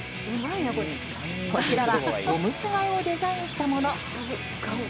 こちらはおむつ替えをデザインしたもの。